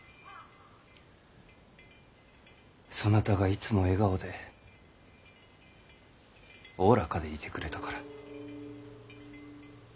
そなたがいつも笑顔でおおらかでいてくれたから。